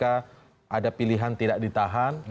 ada pilihan tidak ditahan